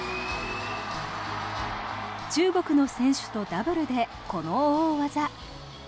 中国の選手とダブルでこの大技。